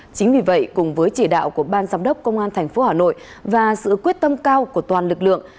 chính vì vậy cùng với chỉ đạo của ban giám đốc công an tp hà nội và sự quyết tâm cao của toàn lực lượng